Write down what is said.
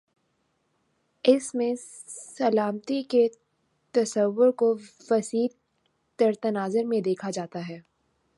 اس میں سلامتی کے تصور کو وسیع تر تناظر میں دیکھا جاتا ہے۔